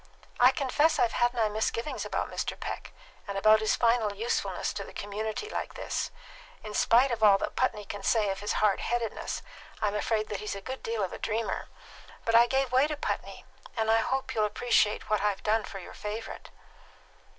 "I confess I've had my misgivings about Mr. Peck, and about his final usefulness in a community like this. In spite of all that Putney can say of his hard headedness, I'm afraid that he's a good deal of a dreamer. But I gave way to Putney, and I hope you'll appreciate what I've done for your favourite."